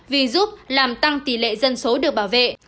vì giúp làm tăng tỷ lệ dân số được bảo vệ